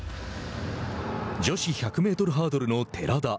女子１００メートルハードルの寺田。